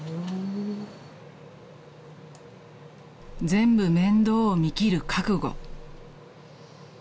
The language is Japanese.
［全部面倒を見きる覚悟］